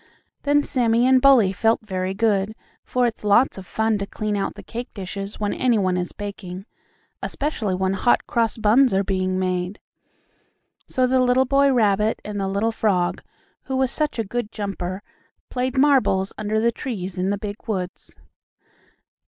Then Sammie and Bully felt very good, for it's lots of fun to clean out the cake dishes when any one is baking, especially when Hot Cross Buns are being made. So the little boy rabbit and the little frog, who was such a good jumper, played marbles under the trees in the big woods.